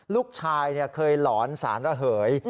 ลูกชายเคยหลอนสารระเหย